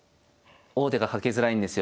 王手がかけづらいんですよ。